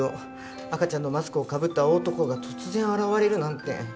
赤ちゃんのマスクをかぶった大男が突然現れるなんて。